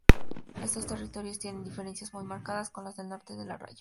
Estos territorios tienen diferencias muy marcadas con las del norte de la raya.